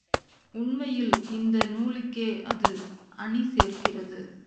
உண்மையில் இந்த நூலுக்கே அது அணி சேர்க்கிறது.